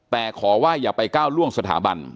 แต่ขอว่าอย่าไปก้าวล่วงสถาบัน